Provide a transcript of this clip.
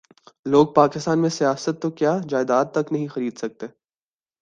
لوگ پاکستان میں سیاست تو کیا جائیداد تک نہیں خرید سکتے